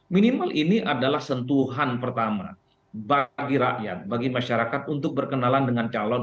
minimal ini adalah sentuhan pertama bagi rakyat bagi masyarakat untuk berkenalan dengan calon